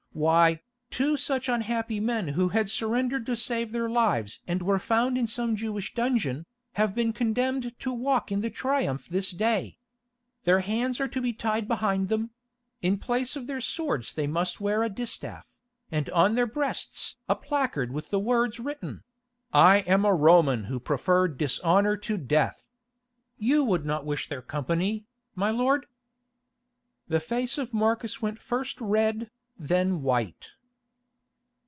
Why, two such unhappy men who had surrendered to save their lives and were found in some Jewish dungeon, have been condemned to walk in the Triumph this day. Their hands are to be tied behind them; in place of their swords they must wear a distaff, and on their breasts a placard with the words written: 'I am a Roman who preferred dishonour to death.' You would not wish their company, my lord." The face of Marcus went first red, then white.